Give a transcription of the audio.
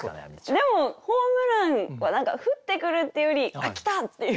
でもホームランは何か降ってくるっていうより「あっ来た！」っていう。